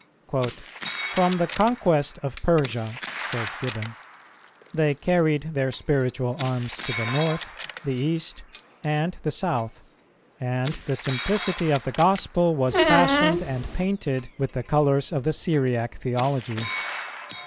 "From the conquest of Persia," says Gibbon, "they carried their spiritual arms to the North, the East, and the South; and the simplicity of the Gospel was fashioned and painted with the colours of the Syriac theology.